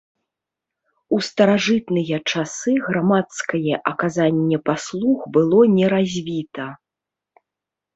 У старажытныя часы грамадскае аказанне паслуг было не развіта.